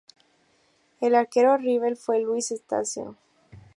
El arquero rival fue Luis Estacio.